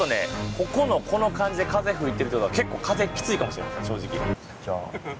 ここのこの感じで風吹いてるっていう事は結構風きついかもしれません正直。